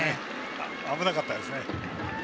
危なかったですね。